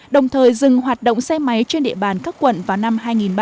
đồng thời dừng hoạt động xe máy trên địa bàn các quận vào năm hai nghìn ba mươi